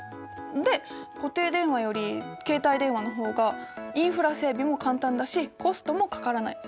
で固定電話より携帯電話の方がインフラ整備も簡単だしコストもかからない。